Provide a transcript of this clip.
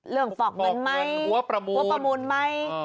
เรื่องฝอกเงินไหมฝวกประมูลไหม